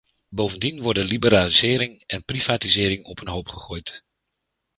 Bovendien worden liberalisering en privatisering op een hoop gegooid.